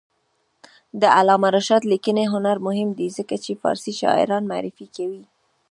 د علامه رشاد لیکنی هنر مهم دی ځکه چې فارسي شاعران معرفي کوي.